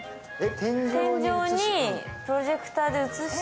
天井にプロジェクターで映して。